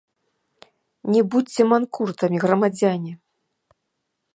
Не будзьце манкуртамі, грамадзяне!